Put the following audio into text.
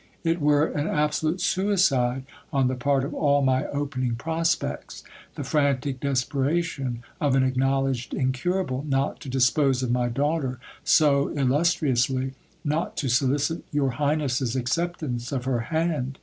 It were an absolute suicide on the part of all my opening prospects ; the frantic desperation of an acknowledged incurable, not to dispose of my daughter so illustriously, not to solicit your highness's acceptance of her hand.